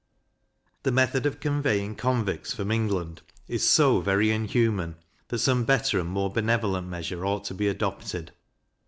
The method of conveying convicts from England is so very inhuman, that some better and more benevolent measure ought to be adopted.